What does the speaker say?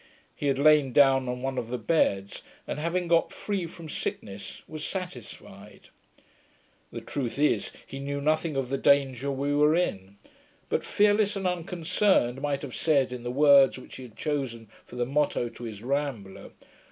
He had lain down on one of the beds, and having got free from sickness, was satisfied. The truth is, he knew nothing of the danger we were in: but, fearless and unconcerned, might have said, in the words which he has chosen for the motto to his Rambler.